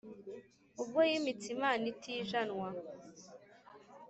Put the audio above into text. ubwo yimitse imana itijanwa